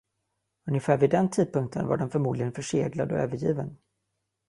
Ungefär vid den tidpunkten var den förmodligen förseglad och övergiven.